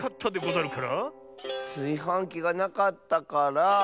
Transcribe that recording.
すいはんきがなかったから。